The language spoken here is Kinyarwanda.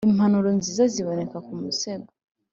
impanuro nziza ziboneka ku musego